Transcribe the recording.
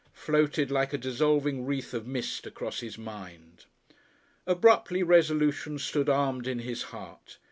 floated like a dissolving wreath of mist across his mind. Abruptly resolution stood armed in his heart.